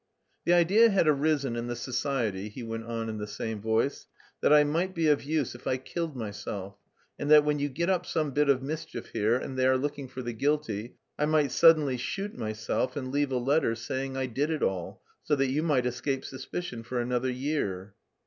"The idea had arisen in the society," he went on in the same voice, "that I might be of use if I killed myself, and that when you get up some bit of mischief here, and they are looking for the guilty, I might suddenly shoot myself and leave a letter saying I did it all, so that you might escape suspicion for another year."